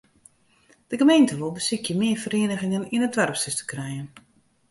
De gemeente wol besykje mear ferieningen yn it doarpshûs te krijen.